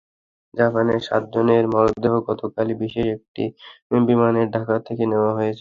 জাপানের সাতজনের মরদেহ গতকালই বিশেষ একটি বিমানে ঢাকা থেকে নেওয়া হয়েছে।